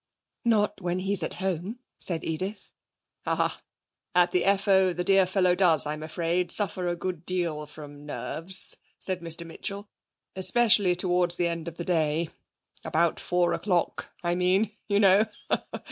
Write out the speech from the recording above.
'Not when he's at home,' said Edith. 'Ah! At the F O the dear fellow does, I'm afraid, suffer a good deal from nerves,' said Mr Mitchell, especially towards the end of the day. About four o'clock, I mean, you know!